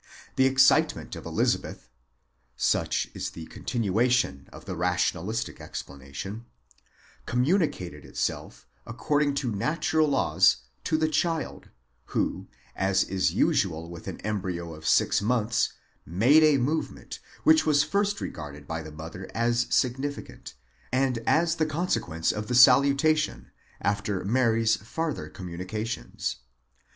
The excitement of Elizabeth—such is the con tinuation of the rationalistic explanation—communicated itself, according to natural laws, to the child, who, as is usual with an embryo of six months, made a movement, which was first regarded by the mother as significant, and as the consequence of the salutation, after Mary's farther communications.